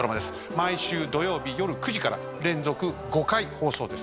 毎週土曜日夜９時から連続５回放送です。